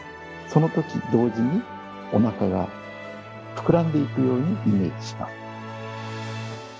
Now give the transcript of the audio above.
そのとき同時にお腹が膨らんでいくようにイメージします。